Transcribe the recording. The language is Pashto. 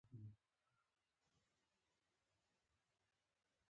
تر ټولو نږدې خپل يې لوی دښمن وي.